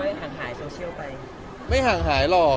เพราะผมแบบว่ามันค่อยหั่งหายโซเชียลไป